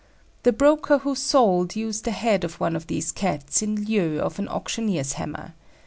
The broker who sold used a head of one of these Cats in lieu of an auctioneer's hammer.